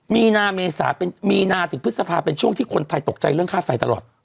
มีนาเมษามีนาถึงพฤษภาเป็นช่วงที่คนไทยตกใจเรื่องค่าไฟตลอด